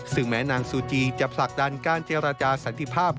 ซึ่งแม้นางซูจีจะผลักดันการเจรจาสันติภาพ